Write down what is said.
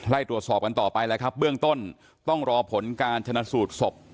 เริ่มต่อไปแหละครับเบื้องต้นต้องรอผลการชนสูติศพ